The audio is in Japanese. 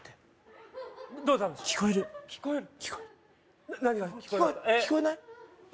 聞こえない？